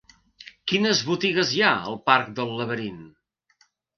Quines botigues hi ha al parc del Laberint?